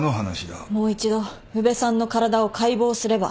もう一度宇部さんの体を解剖すれば。